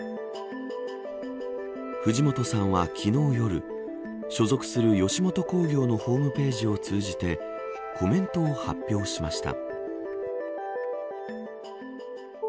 藤本さんは、昨日夜所属する吉本興業のホームページを通じてコメントを発表しました。